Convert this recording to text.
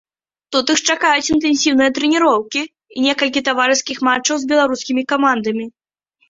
Тут іх чакаюць інтэнсіўныя трэніроўкі і некалькі таварыскіх матчаў з беларускімі камандамі.